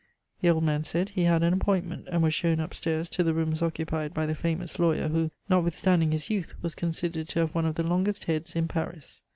The old man said he had an appointment, and was shown upstairs to the rooms occupied by the famous lawyer, who, notwithstanding his youth, was considered to have one of the longest heads in Paris.